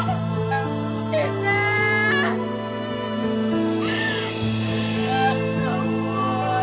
oh ampun sakit benar